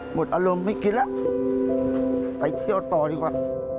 หมดอารมณ์ไม่คิดแล้วไปเที่ยวต่อดีกว่า